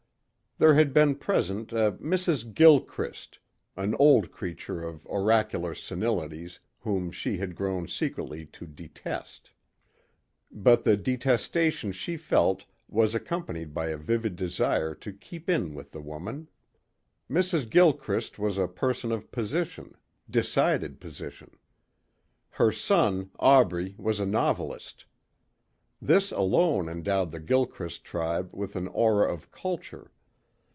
There had been present a Mrs. Gilchrist, an old creature of oracular senilities whom she had grown secretly to detest. But the detestation she felt was accompanied by a vivid desire to keep in with the woman. Mrs. Gilchrist was a person of position, decided position. Her son Aubrey was a novelist. This alone endowed the Gilchrist tribe with an aura of culture.